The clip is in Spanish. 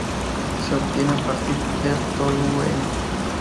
Se obtiene a partir del tolueno.